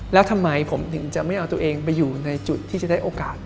แล้วทำไมผมถึงจะไม่เอาตัวเองไปอยู่ในจุดที่จะได้โอกาส